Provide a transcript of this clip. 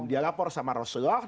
dia lapor sama rasulullah